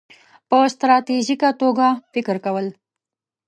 -په ستراتیژیکه توګه فکر کول